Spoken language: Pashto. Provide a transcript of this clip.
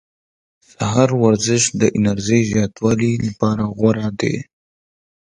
د سهار ورزش د انرژۍ د زیاتوالي لپاره غوره ده.